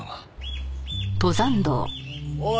おい！